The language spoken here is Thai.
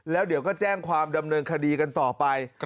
แล้วเดี๋ยวก็แจ้งความดำเนินคดีกันต่อไป